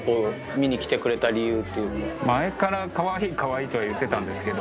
前からかわいいかわいいとは言ってたんですけど。